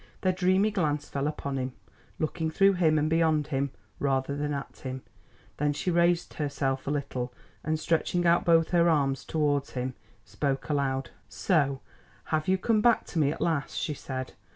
Their dreamy glance fell upon him, looking through him and beyond him, rather than at him. Then she raised herself a little and stretching out both her arms towards him, spoke aloud. "So have you have come back to me at last," she said.